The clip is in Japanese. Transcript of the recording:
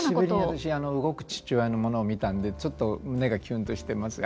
久しぶりに私動く父親のものを見たのでちょっと胸がキュンとしてます。